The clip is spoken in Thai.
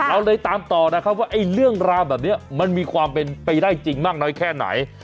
เราเลยตามต่อนะครับว่าไอ้เรื่องราวแบบนี้มันมีความเป็นไปได้จริงมากน้อยแค่ไหน